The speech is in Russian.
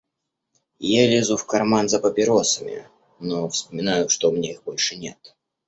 Я лезу в карман за папиросами, но вспоминаю, что у меня их больше нет.